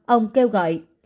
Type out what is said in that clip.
ông kêu gọi